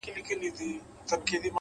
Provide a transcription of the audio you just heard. ساده ژوند د ذهن سکون دی’